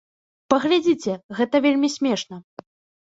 Паглядзіце, гэта вельмі смешна.